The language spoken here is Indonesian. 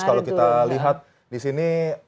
kalau kita lihat disini